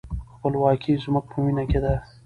خپلواکي زموږ په وینه کې ده.